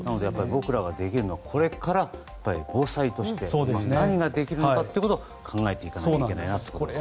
僕らができるのはこれから防災として何ができるのかということを考えていかないなと思います。